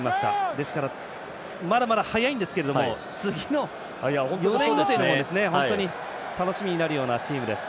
ですから、まだまだ早いんですけれども次の４年後というのも楽しみになるチームです。